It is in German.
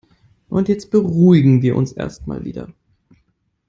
Jetzt beruhigen wir uns erst mal wieder.